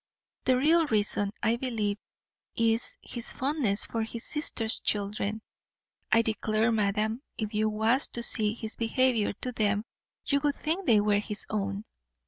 The real reason, I believe, is, his fondness for his sister's children. I declare, madam, if you was to see his behaviour to them, you would think they were his own.